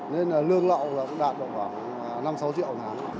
nên là lương lọ cũng đạt được khoảng năm sáu triệu